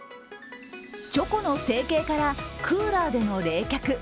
チョコの成型からクーラーでの冷却。